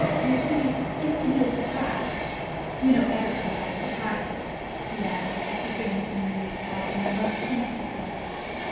You see, it's to be a surprise.... You know everybody likes surprises," he added, as he grinned at the Muley Cow in the most innocent way.